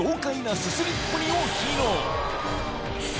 すすりっぷりを披露